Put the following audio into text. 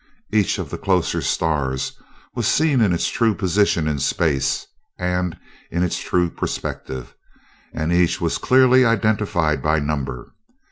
Each of the closer stars was seen in its true position in space and in its true perspective, and each was clearly identified by number.